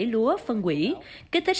lúa phân quỷ kết thích